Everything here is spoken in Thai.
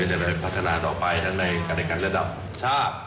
ก็จะไปพัฒนาต่อไปทั้งในการรายการระดับชาติ